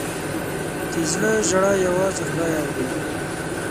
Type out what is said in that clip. د زړه ژړا یوازې خدای اوري.